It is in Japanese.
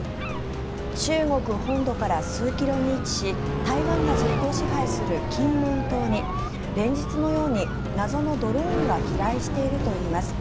中国本土から数キロに位置し台湾が実効支配する金門島に連日のように謎のドローンが飛来しているといいます。